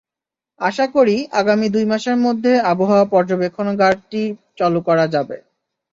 আশা করি, আগামী দুই মাসের মধ্যে আবহাওয়া পর্যবেক্ষণাগারটি চালু করা যাবে।